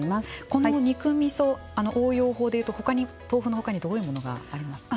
この肉みそ応用法でいくと豆腐の他にどういうものがありますか。